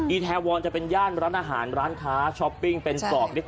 แทวอนจะเป็นย่านร้านอาหารร้านค้าช้อปปิ้งเป็นศอกเล็ก